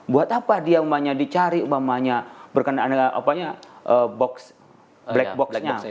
buat apa dia umpamanya dicari umpamanya berkenaan dengan black box nya